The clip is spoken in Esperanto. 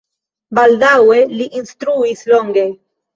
Baldaŭe li instruis longe.